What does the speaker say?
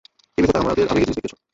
TV শোতে আমাদের আবেগী জিনিস দেখিয়েছ।